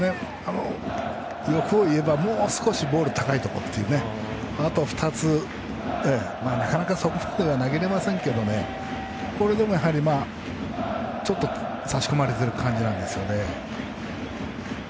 欲を言えばもう少しボール高いところあと２つ、なかなかそこまでは投げれませんけどちょっと差し込まれてる感じなんですよね。